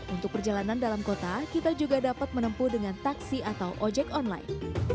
untuk perjalanan dalam kota kita juga dapat menempuh dengan taksi atau ojek online